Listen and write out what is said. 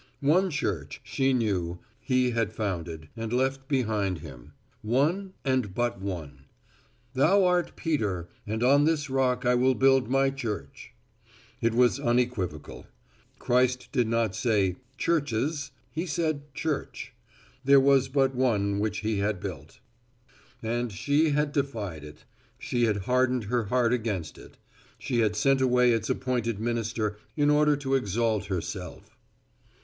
One Church, she knew, He had founded, and left behind Him. One and but one. "Thou art Peter and on this rock I will build my church." It was unequivocal. Christ did not say "churches," He said "church." There was but one which He had built. And she had defied it; she had hardened her heart against it; she had sent away its appointed minister in order to exalt herself.